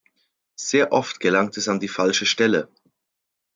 Sehr oft gelangt es an die falsche Stelle.